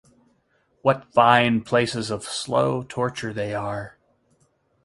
What fine places of slow torture they are!